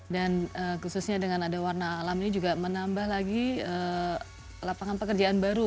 dan khususnya dengan ada warna alam ini juga menambah lagi lapangan pekerjaan baru